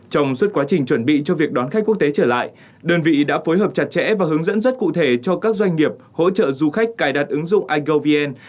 trong suốt quá trình chuẩn bị cho việc đón khách quốc tế trở lại đơn vị đã phối hợp chặt chẽ và hướng dẫn rất cụ thể cho các doanh nghiệp hỗ trợ du khách cài đặt ứng dụng igvn